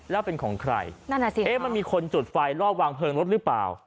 แล้วเป็นของใครมันมีคนจุดไฟรอบวางเพลิงรถหรือเปล่า